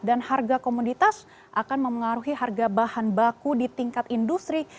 dan harga komoditas akan memengaruhi harga bahan baku di tingkat industri